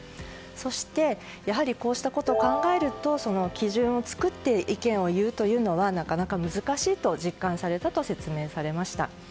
そして、こうしたことを考えると基準を作って意見を言うというのはなかなか難しいと実感されたと説明されました。